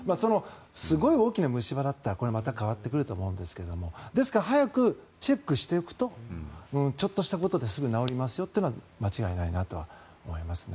すごい大きな虫歯だったらまた変わってくると思うんですけれどもですから早くチェックしておくとちょっとしたことですぐ治りますよというのは間違いないなとは思いますね。